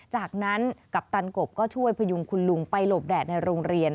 จากนั้นกัปตันกบก็ช่วยพยุงคุณลุงไปหลบแดดในโรงเรียน